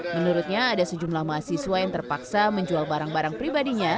menurutnya ada sejumlah mahasiswa yang terpaksa menjual barang barang pribadinya